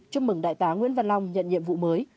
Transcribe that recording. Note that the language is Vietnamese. chúc mừng đại tá nguyễn văn long nhận nhiệm vụ mới